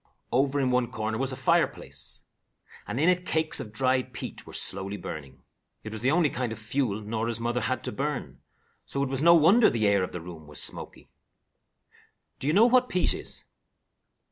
Over in one corner was a fireplace, and in it cakes of dried peat were slowly burning. It was the only kind of fuel Norah's mother had to burn, so it was no wonder the air of the room was smoky. Do you know what peat is?